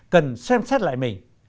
cần xem xét lại mình